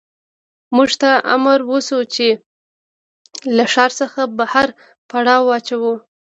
موږ ته امر وشو چې له ښار څخه بهر پړاو واچوو